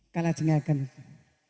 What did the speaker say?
kalau tinggal galing pun